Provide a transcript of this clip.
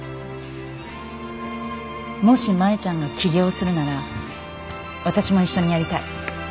もし舞ちゃんが起業するなら私も一緒にやりたい。